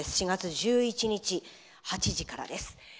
４月１１日８時からです。